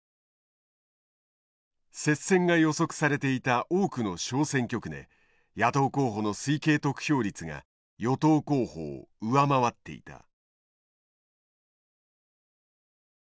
接戦が予測されていた多くの小選挙区で野党候補の推計得票率が与党候補を上回っていた。